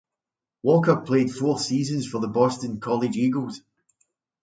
Walker played four seasons for the Boston College Eagles.